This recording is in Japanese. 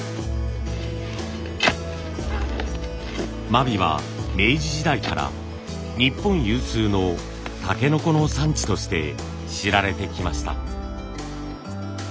真備は明治時代から日本有数のたけのこの産地として知られてきました。